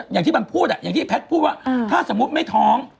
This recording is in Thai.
อย่างที่มันพูดอย่างที่แพทย์พูดว่าถ้าสมมุติไม่ท้อง